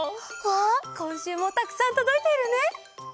わあこんしゅうもたくさんとどいているね。